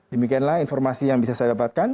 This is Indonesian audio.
demikianlah informasi yang bisa saya dapatkan